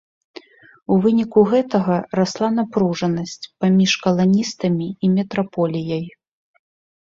У выніку гэтага расла напружанасць паміж каланістамі і метраполіяй.